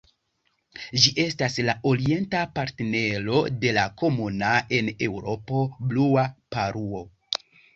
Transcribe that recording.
Ĝi estas la orienta partnero de la komuna en Eŭropo Blua paruo.